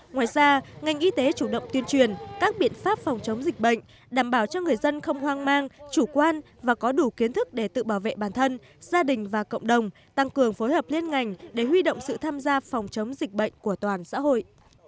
ngoài ra ngành y tế chủ động tuyên truyền các biện pháp phòng chống dịch bệnh đảm bảo cho người dân không hoang mang chủ quan và có đủ kiến thức để tự bảo vệ bản thân gia đình và cộng đồng tăng cường phối hợp liên ngành để huy động sự tham gia phòng chống dịch bệnh của toàn xã hội